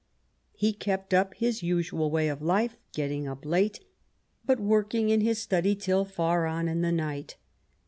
He kept up his usual way of life, getting up late, but working in his study till far on in the night.